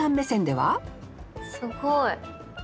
すごい！